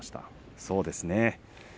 そうですね。